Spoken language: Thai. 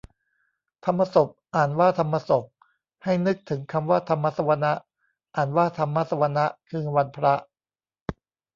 ธรรมสพน์ อ่านว่าทำมะสบ ให้นึกถึงคำว่า ธรรมสวนะ อ่านว่าทำมะสะวะนะ คือวันพระ